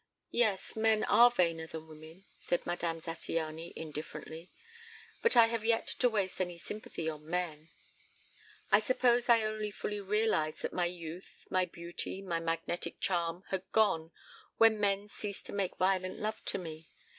"Yes, men are vainer than women," said Madame Zattiany indifferently. "But I have yet to waste any sympathy on men. ... "I suppose I only fully realized that my youth, my beauty, my magnetic charm, had gone when men ceased to make violent love to me.